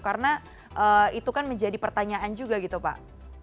karena itu kan menjadi pertanyaan juga gitu pak